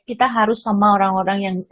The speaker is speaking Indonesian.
kita harus sama orang orang yang